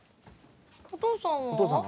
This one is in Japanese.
お父さんは？